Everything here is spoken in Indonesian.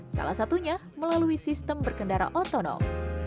salah satunya melalui sistem berkendara otonom